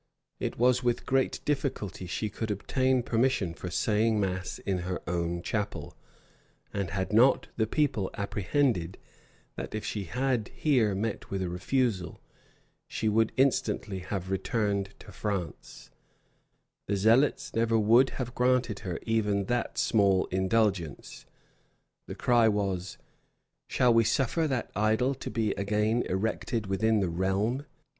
It was with great difficulty she could obtain permission for saying mass in her own chapel; and had not the people apprehended, that if she had here met with a refusal, she would instantly have returned to France, the zealots never would have granted her even that small indulgence. The cry was, "Shall we suffer that idol to be again erected within the realm?"